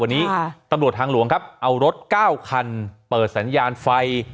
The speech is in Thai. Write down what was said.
วันนี้ตำรวจทางหลวงครับเอารถ๙คันเปิดสัญญาณไฟ